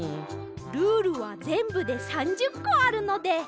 ルールはぜんぶで３０こあるので！